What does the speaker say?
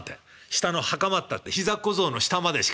下の袴ったって膝小僧の下までしかない。